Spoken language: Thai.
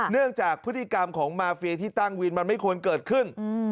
เนื่องจากพฤติกรรมของมาเฟียที่ตั้งวินมันไม่ควรเกิดขึ้น